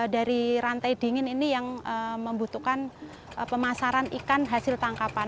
dari rantai dingin ini yang membutuhkan pemasaran ikan hasil tangkapan